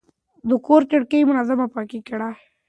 د کور کړکۍ منظم پاکې کړئ.